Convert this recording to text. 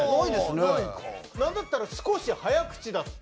なんだったら「少し早口だった」。